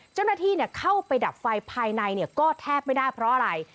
เจ้าหน้าที่เข้าไปดับไฟภายในก็แทบไม่ได้เพราะอะไร